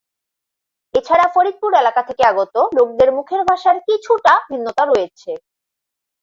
এছাড়া ফরিদপুর এলাকা থেকে আগত লোকদের মুখের ভাষার কিছুটা ভিন্নতা রয়েছে।